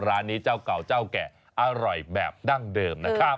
ร้านนี้เจ้าเก่าเจ้าแก่อร่อยแบบดั้งเดิมนะครับ